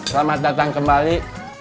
selamat datang kembali